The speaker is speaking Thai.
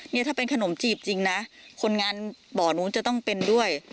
นี่ถ้าเป็นขนมจีบจริงนะคนงานบ่อนู้นจะต้องเป็นด้วย